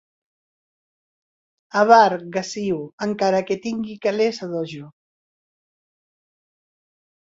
Avar, gasiu, encara que tingui calés a dojo.